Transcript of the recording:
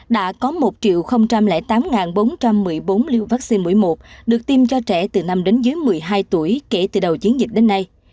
đã có một tám bốn trăm một mươi bốn liều vaccine mũi một được tiêm cho trẻ từ năm đến dưới một mươi hai tuổi kể từ đầu chiến dịch đến nay